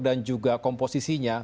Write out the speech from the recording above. dan juga komposisinya